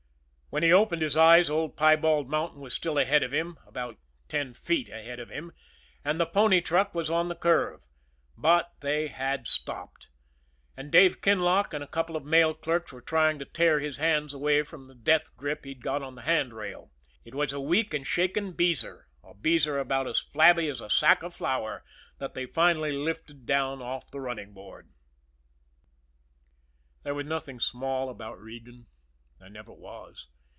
When he opened his eyes Old Piebald Mountain was still ahead of him about ten feet ahead of him and the pony truck was on the curve. But they had stopped, and Dave Kinlock and a couple of mail clerks were trying to tear his hands away from the death grip he'd got on the handrail. It was a weak and shaken Beezer, a Beezer about as flabby as a sack of flour, that they finally lifted down off the running board. There was nothing small about Regan there never was.